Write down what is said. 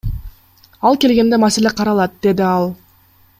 Ал келгенде маселе каралат, — деди ал.